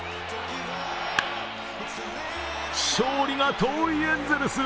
勝利が遠いエンゼルス。